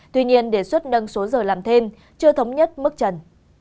tuy nhiên đề xuất nâng số giờ làm thêm chưa thống nhất mức trần